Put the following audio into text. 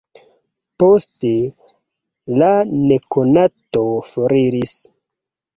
Poste, la nekonato foriris.